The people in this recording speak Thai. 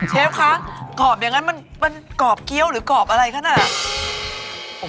เชฟคะกรอบอย่างนั้นมันกรอบเกี้ยวหรือกรอบอะไรขนาด